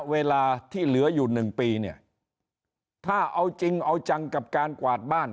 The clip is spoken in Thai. เวลาที่เหลืออยู่หนึ่งปีเนี่ยถ้าเอาจริงเอาจังกับการกวาดบ้าน